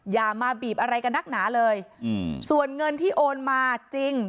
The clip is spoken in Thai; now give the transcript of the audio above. อย่ามาบีบอะไรกับนักหนาเลยอืมส่วนเงินที่โอนมาจริง